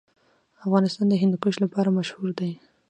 افغانستان د هندوکش لپاره مشهور دی.